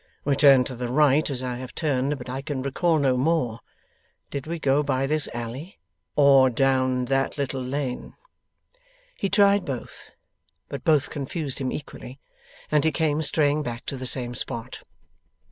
We turned to the right as I have turned, but I can recall no more. Did we go by this alley? Or down that little lane?' He tried both, but both confused him equally, and he came straying back to the same spot.